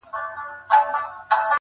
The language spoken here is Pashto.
پلونه یې بادونو له زمان سره شړلي دي٫